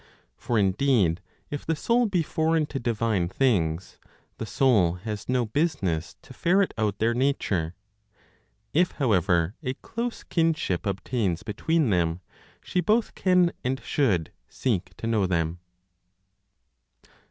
For indeed if the soul be foreign to divine things, the soul has no business to ferret out their nature. If however a close kinship obtains between them, she both can and should seek to know them.